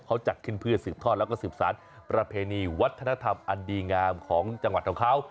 เขาจัดขึ้นเพื่อสืบทอดแล้วก็สืบสารประเพณีวัฒนธรรมอันดีงามของจังหวัดของเขา